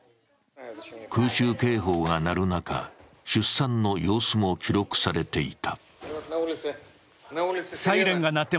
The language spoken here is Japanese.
空襲警報が鳴る中、出産の様子も記録されていた。